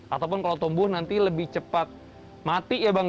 ataupun kalau tumbuh nanti lebih cepat mati ya bang